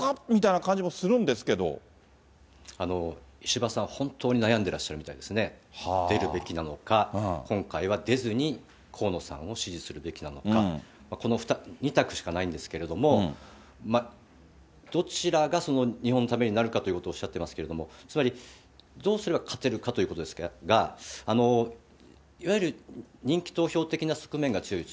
石破さん、石破さん、本当に悩んでらっしゃるみたいですね、出るべきなのか、今回は出ずに河野さんを支持するべきなのか、この２択しかないんですけれども、どちらが日本のためになるかということをおっしゃってますけども、つまりどうすれば勝てるかということですが、いわゆる人気投票的な側面が強いです。